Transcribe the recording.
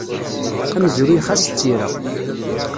Amezruy xas d tira.